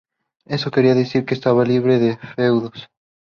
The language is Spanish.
Esto quería decir que estaba libre de feudos.